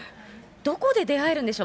どこで出会えるんでしょう。